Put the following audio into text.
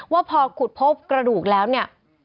ว่าพอขุดพบกระดูกแล้วเนี่ย